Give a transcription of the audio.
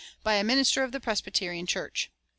By a Minister of the Presbyterian Church."